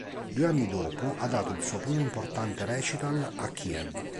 Due anni dopo ha dato il suo primo importante recital a Kiev.